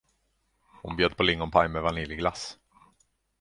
Hon bjöd på lingonpaj med vaniljglass.